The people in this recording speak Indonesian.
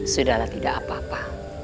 sudahlah tidak apa apa